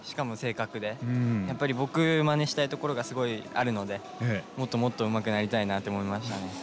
やっぱり僕まねしたいところがすごいあるのでもっともっとうまくなりたいなって思いましたね。